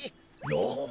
おっ。